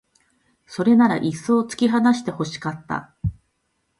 それならいっそう突き放して欲しかった